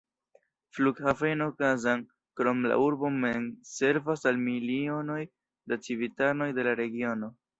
Flughaveno Kazan, krom la urbo mem, servas al milionoj da civitanoj de la regiono.